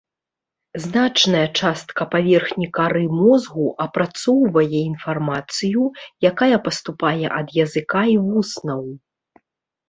Значная частка паверхні кары мозгу апрацоўвае інфармацыю, якая паступае ад языка і вуснаў.